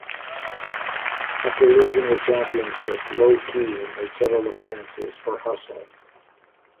After losing the championship, Low Ki made several appearances for Hustle.